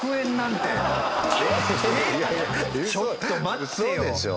ちょっと待ってよ。